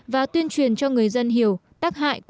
và tuyên truyền cho người dân hiểu thêm